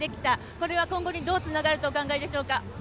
これは今後にどうつながるとお考えでしょうか。